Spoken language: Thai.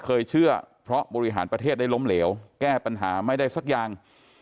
เชื่อเพราะบริหารประเทศได้ล้มเหลวแก้ปัญหาไม่ได้สักอย่าง